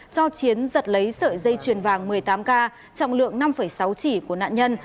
cho chiến giật lấy sợi dây chuyền vàng một mươi tám k trọng lượng năm sáu chỉ của nạn nhân